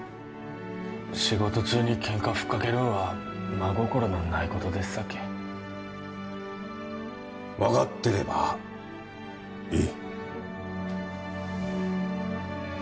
仕事中にケンカふっかけるんは真心のないことですさけ分かってればいい